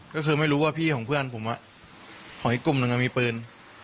ก็คือไม่รู้ว่าพี่ของเพื่อนผมของอีกกลุ่มหนึ่งมีปืน